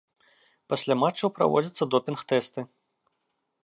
Пасля матчаў праводзяцца допінг-тэсты.